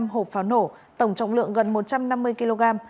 tám mươi năm hộp pháo nổ tổng trọng lượng gần một trăm năm mươi kg